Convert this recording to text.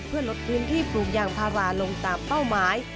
เพื่อลดพื้นที่ปลูกยางพาราลงตามเป้าหมาย